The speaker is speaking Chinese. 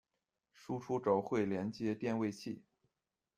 输出轴会连接电位器。